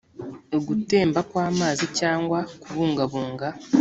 ugutemba kw amazi cyangwa kubungabunga